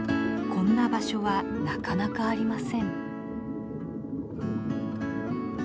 こんな場所はなかなかありません。